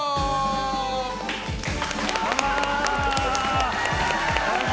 どうも！